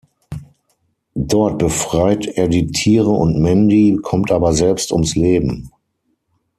Dort befreit er die Tiere und Mendy, kommt aber selbst ums Leben.